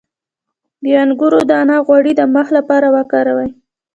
د انګور دانه غوړي د مخ لپاره وکاروئ